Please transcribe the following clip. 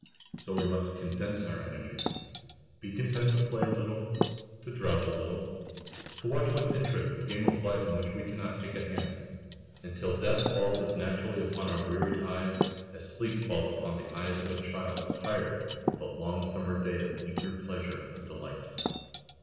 So we must condense our energies, be content to play a little, to drowse a little, to watch with interest the game of life in which we cannot take a hand, until death falls as naturally upon our wearied eyes as sleep falls upon the eyes of a child tired with a long summer day of eager pleasure and delight.